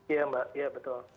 iya mbak betul